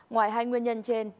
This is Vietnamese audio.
ngoài hai nguyên nhân trên